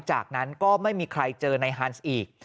จากนั้นก็ไม่มีใครเจอนายฮันส์อีก